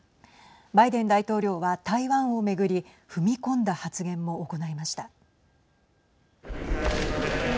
バイデン大統領は、台湾をめぐり踏み込んだ発言も行いました。